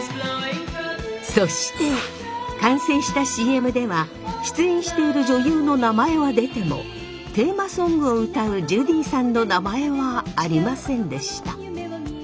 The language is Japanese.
そして完成したＣＭでは出演している女優の名前は出てもテーマソングを歌うジュディさんの名前はありませんでした。